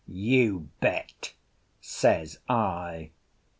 "You bet!" says I.